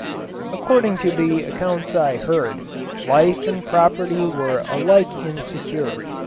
According to the accounts I heard, life and property were alike insecure.